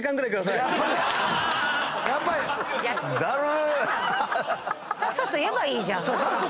さっさと言えばいいじゃん。